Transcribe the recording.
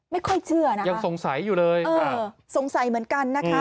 ไม่ค่อยเชื่อนะยังสงสัยอยู่เลยเออสงสัยเหมือนกันนะคะ